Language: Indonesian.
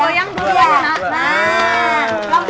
pergi kita sajo